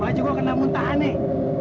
baju gua kena muntahan nih